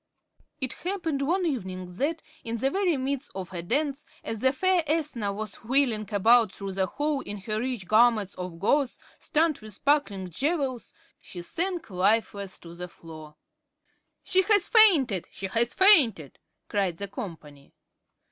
It happened one evening that, in the very midst of a dance, as the fair Ethna was whirling about through the hall in her rich garments of gauze, studded with sparkling jewels, she sank lifeless to the floor. "She has fainted, she has fainted," cried the company.